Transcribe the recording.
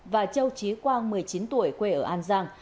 và châu trí quang một mươi chín tuổi quê ở an giang